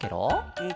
うん。